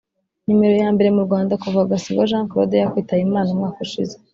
nimero ya mbere mu Rwanda kuva Gasigwa Jean Claude yakwitaba Imana umwaka ushize